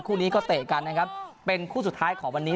คู่นี้ก็เตะกันนะครับเป็นคู่สุดท้ายของวันนี้